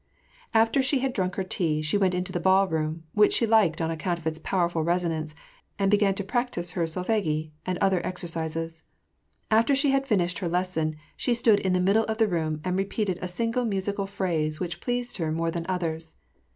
After she had drunk her tea, she went into the ballroom, which she liked on account of its powerful resonance, and began to practise her solfeggi and other exercises. After she had finished her lesson, she stood in the middle of the room and repeated a single musical phrase which pleased her more than others.